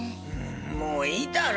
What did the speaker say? もういいだろ。